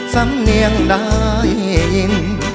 สังเงียงได้ยิน